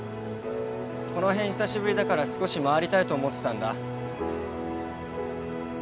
この辺久しぶりだから少し回りたいと思ってたんだ。